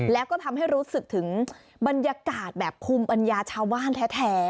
แล้วก็ทำให้รู้สึกถึงบรรยากาศแบบภูมิปัญญาชาวบ้านแท้